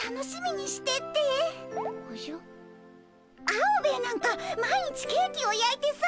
アオベエなんか毎日ケーキをやいてさ。